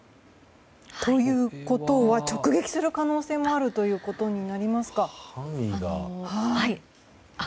ということは直撃する可能性もあるということになりますか。